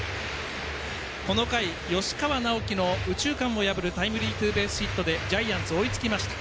この回、吉川尚輝の右中間を破るタイムリーツーベースヒットでジャイアンツ追いつきました。